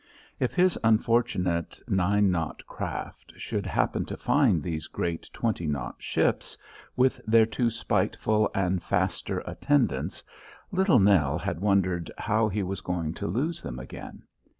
If his unfortunate nine knot craft should happen to find these great twenty knot ships, with their two spiteful and faster attendants, Little Nell had wondered how he was going to lose them again.